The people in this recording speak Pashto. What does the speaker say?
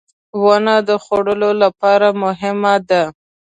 • ونه د خوړو لپاره مهمه ده.